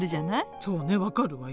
そうね分かるわよ。